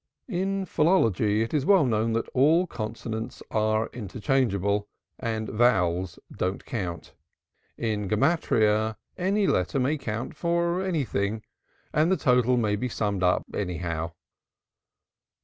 In philology it is well known that all consonants are interchangeable and vowels don't count; in Gematriyah any letter may count for anything, and the total may be summed up anyhow.